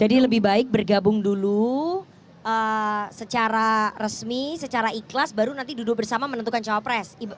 jadi lebih baik bergabung dulu secara resmi secara ikhlas baru nanti duduk bersama menentukan cowok pres